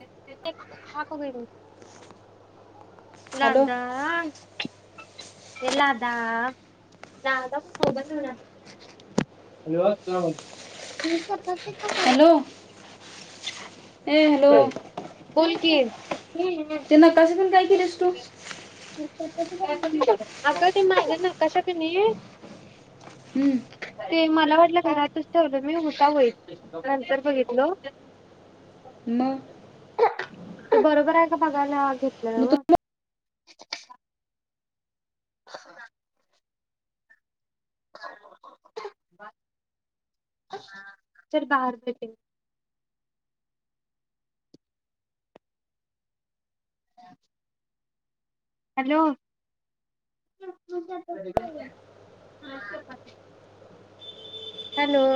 हक [inaudible] hello लाांदा हे लादा ला बन हो हॅल हॅलो ए हॅलो की. हम्म हम् ते नकाशातून काय केलं असत आग ते माझं नाकाशाका कनी. हम्म मला वाटलं घरातच ठेवलं मी उता व नंतर बघितल मग बरोबर आहे का बघायला लावा. म्ह तु [unintelligible] [inaudible] [inaudible] तर बाहेर भेटेल [inaudible] हॅलो! हॅलो!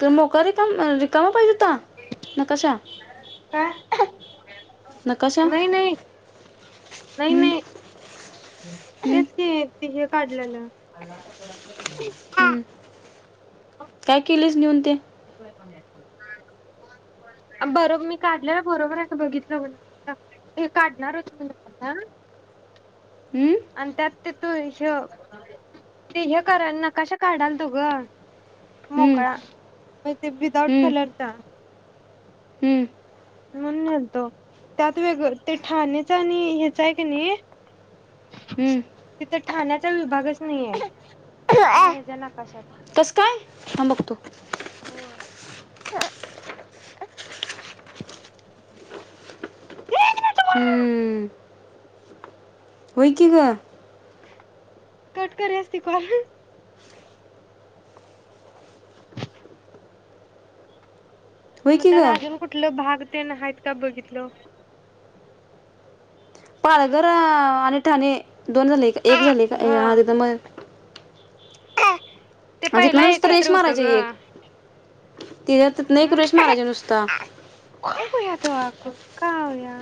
तर मोका रिका रिकामा पाहिजे, होता नकाशा काय नकाशा नाही नाही नाही हम्म, नाही हम्म, तेच की, काढलं [unintelligible] हा हम्म. काय? केलीस, नेऊन ते बर मी काढलेला बरोबर आहे काय? बघितलं मी काढणार होतो, [unintelligible] हम्म, आणि त्यात ते तू हे ते हे कराय नकाशा काढालतो गं हम्म, मोकळा ते विदाउट हम्म, कलर चा हम्म, म्हणून नेलतो, त्यात वेगळं ते ठाण्याच आणि हेचा हाय, किनही हम्म. तिथं ठाण्याचा विभागचं नाहीये नाकाशात कसं काय? हां बघतो. [unintelligible] हम्म! होय, की गं! कटकरी असते कॉल होय मग की त्यात ग अजून कुठलं भाग तेन आहेत, का बघितलो. पालघर आणि ठाणे दोन झाले, का एक झाले का हा आधी तर मग [unintelligible] [unintelligible] पहिला नुसंत रेष एकत्र होतं मारायची, ग एक [inaudible] तिथ तिथन एक हम्म रेष मारायची नुसता, [unintelligible] का हो या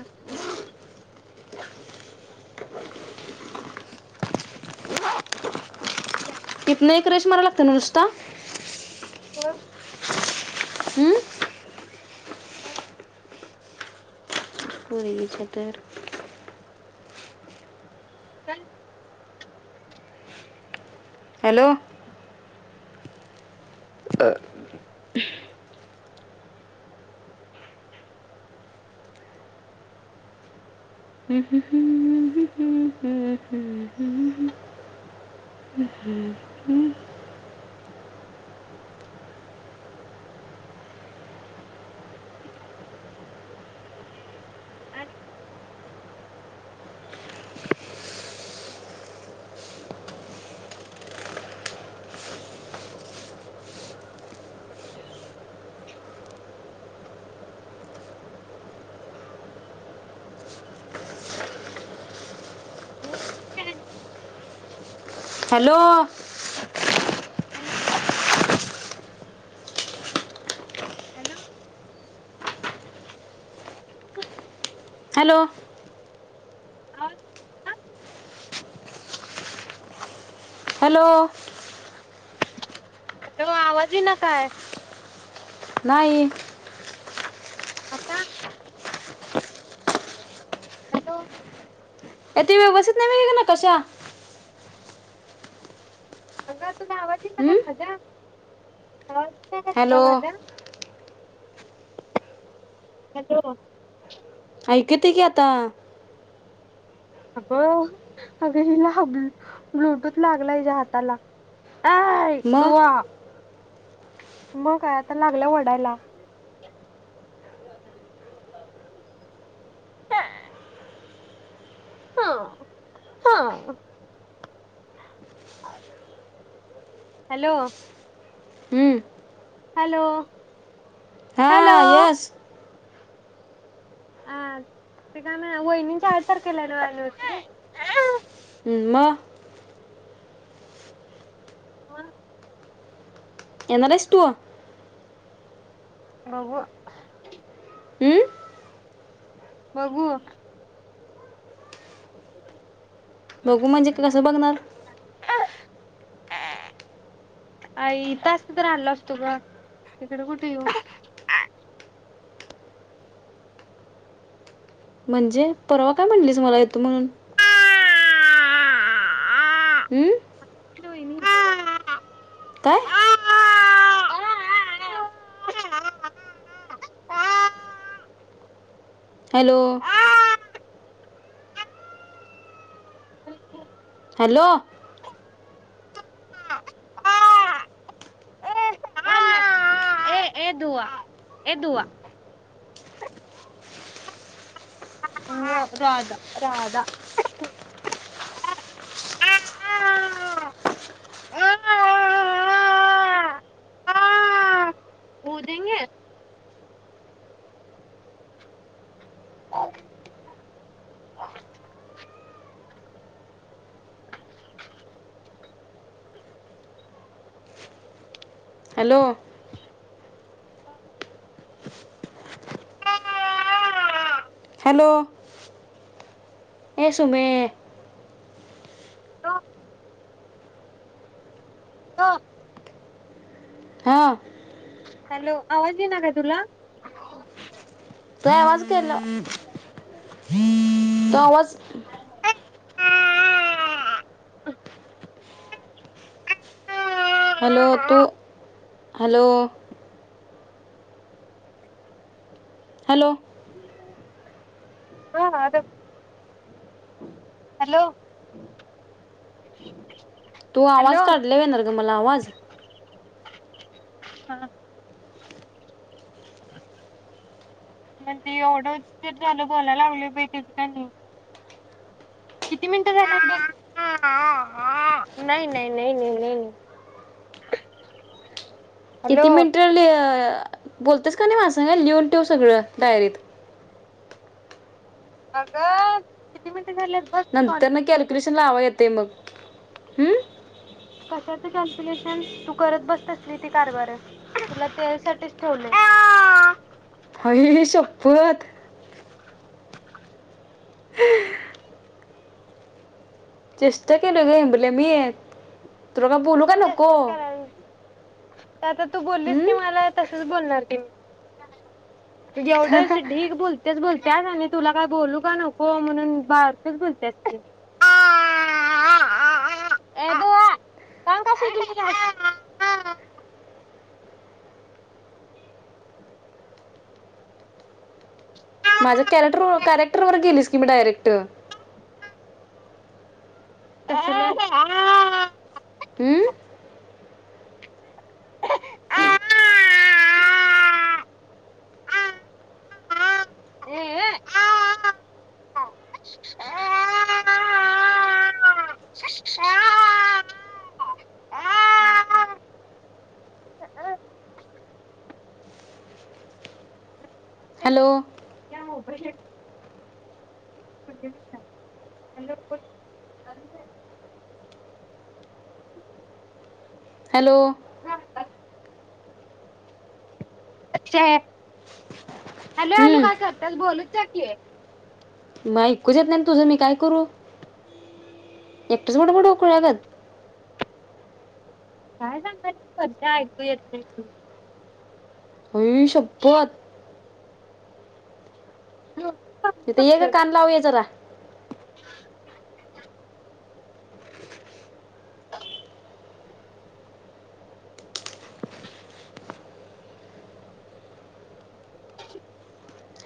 [inaudible] [inaudible] तिथन एक रेष मारला लागत्या नव्ह नुसता, [unintelligible] हम्म! [unintelligible] [unintelligible] तर. [inaudible] हॅलो. [inaudible] हो आणि. [inaudible] हॅलो. हॅलो. हॅलो. [inaudible] हॅलो. आवाज [unintelligible] हॅलो. हॅलो आवाज इना काय? नाई. आता हॅलो. ये ते व्यवस्थित नाई वय ग नताशा? अगग अं. आवाज येईना का तुला हॅलो. माझा? हॅलो. ऐकू येतय की आता अग अग हिला हब्लू ब्लूटूथ लागला हिच्या हाताला. अय मग दुवा म काय आता लागल्या वडायला. हं हं. हा हॅलो. हं. हॅलो. हा हॅलो. यस ह ते का नाय वहीनिंचीं आठ तारखेला हाय नव एनिवर्सरी? म. म. एनार हाइस तू? बघू. हं? बघू. हम बघू म्हणजे कसं बघणार? आईथ असत तर आलो असतो ग तिकड कुठ येऊ? म्हणजे परवा काय म्हणलीस मला येतो म्हणून. हं? काय [inaudible] हॅलो. हॅलो. ए ए दुवा ए दुवा. हा राधा राधा. आ आ आ आ आ. बुदेंगे [inaudible] हॅलो. हॅलो ए सुमे. अह. हा. हॅलो आवाज येई नाय काय तुला? येतोय आवाज [unintelligible] तो आवाज हॅलो तू हॅलो हॅलो. हा [unintelligible] हॅलो. [inaudible] तू आवाज हॅलो काढल्यावर येणार ग मला आवाज. हा. म्हणजे एवढं उशीर झालं बोलायला लागलं त्याच काय नाही. किती मिनिटं झालीत बघ. नाही नाही नाही नाही नाही नाही हॅलो किती मिनट झालीय बोलतेस का नाही माझ्या संग लिहून ठेव सगळं डायरीत. अग किती मिनट नंतर न कॅल्क्युलेशन लावा येत ते मग हम्म. कशाच कॅल्क्युलेशन तू करत बसत तसली ती कारभार तुला त्यासाठीच ठेवलय. आई शप्पत. [inaudible] चेष्टा केलोय ग हेमल्या मी. तुला काय मी बोलू का पण नको चेष्टाच करायला आता तू बोललीस हम्म की मला तस तूच बोलणार की मी एवढच ढीग बोल तेच बोलत्यास आणि तुला काही बोलू का नको. म्हणून बारकच बोलत्यास की आ आ आ आ ए दुआ [unintelligible] माझ्या कॅरेक्ट कॅरेक्टर वर गेलीस की म डायरेक्ट हम्म [unintelligible] [unintelligible] हॅलो. [unintelligible] Hello [unintelligible] hello. हा काय. [unintelligible] हॅलो हॅलो हम्म काय करत्यास बोलू [unintelligible] म ऐकूच येत नाही तुझं मी काय करू एकटच बडबडू खुळ्यागत काय सांगालीस वर्षा ऐकू येत नाही म्हणून? आई शप्पत. म्हणून इथं ये ग कान लावये जरा [inaudible]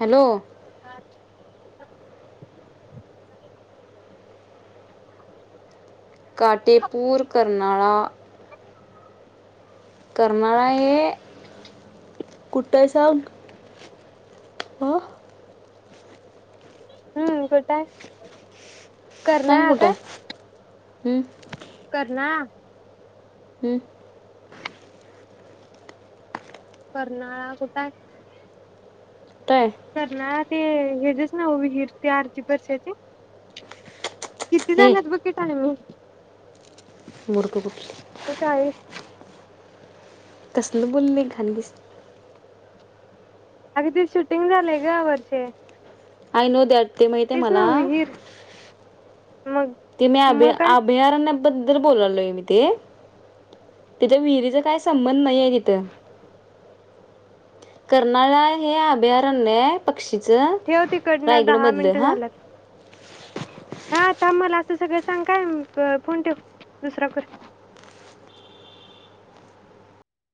हॅलो. काटीपुर करना करणा ये. कुठे स हम्म. हम्म कुठाय. करना सांग ह कुठं का. आहे हं? करनाळा. हं? कर्नाळा कुठ हाय. कुठं आहे करणळा ते हजच ना विहीर ते आरती बर्शाचे किती हे झालेत बघकी. [unintelligible] [unintelligible] चाळीस. कसलं बोलणे खाल्लीस. अग ते शूटिंग झालंय ग या वर्षी. I know that. ते माहित आहे मला मग ते मी मग अभया काय अभयारण्य पण बोलालोय मी ते तिच्या विहिरीचा काही संबंध नाहीय ईथ. कर्नाळा हे अभयारण्ये शिच ठेव तिकडनं रायगड दहा मधलं मिनिटं हा. झाल्यात. हा थांब मला असं सगळं सांग काय फोन ठेव दुसराया क